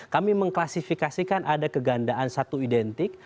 kami mengklasifikasikan ada kegandaan satu identik